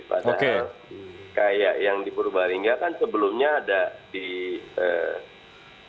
padahal kayak yang di purwaringga kan sebelumnya ada di tempat lain